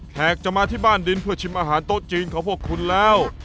หากจะมาที่บ้านดินเพื่อชิมอาหารโต๊ะจีนของพวกคุณแล้ว